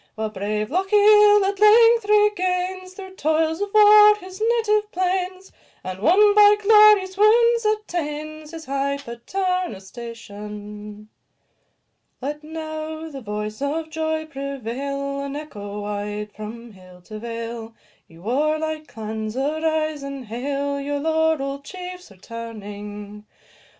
While brave Lochiel at length regains, Through toils of war, his native plains, And, won by glorious wounds, attains His high paternal station. Let now the voice of joy prevail, And echo wide from hill to vale; Ye warlike clans, arise and hail Your laurell'd chiefs returning.